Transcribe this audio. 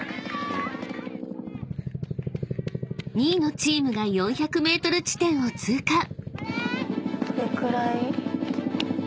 ［２位のチームが４００ｍ地点を通過］